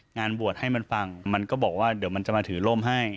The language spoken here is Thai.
งานบวชให้มันฟังมันก็บอกว่าเดี๋ยวมันจะมาถือร่มให้